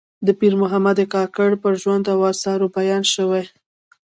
د پیر محمد کاکړ پر ژوند او آثارو بیان شوی.